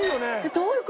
どういう事？